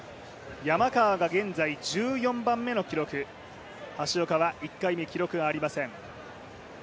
山川が現在１４番目の記録、橋岡は１回目、記録ありません。